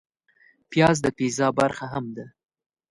پیاز د پیزا برخه هم ده